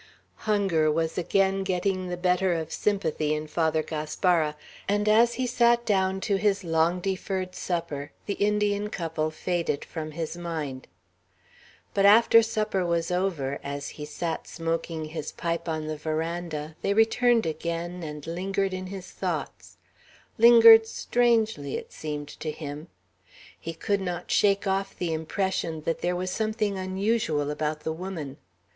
Hunger was again getting the better of sympathy in Father Gaspara, and as he sat down to his long deferred supper, the Indian couple faded from his mind; but after supper was over, as he sat smoking his pipe on the veranda, they returned again, and lingered in his thoughts, lingered strangely, it seemed to him; he could not shake off the impression that there was something unusual about the woman.